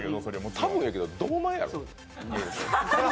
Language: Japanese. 多分やけど堂前やと思う。